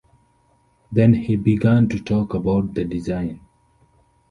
Then he began to talk about the design.